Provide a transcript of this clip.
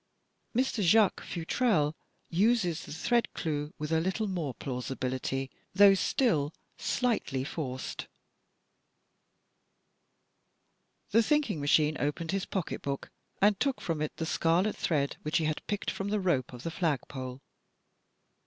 Mr. Jacques Futrelle uses the thread clue with a little more plausibility, though still slightly forced: The Thinking Machine opened his pocketbook and took from it the scarlet thread which he had picked from the rope of the flagpole.